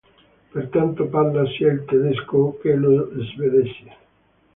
Pertanto, parla sia il tedesco che lo svedese.